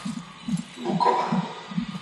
Buková